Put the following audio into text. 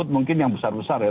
mungkin yang besar besar ya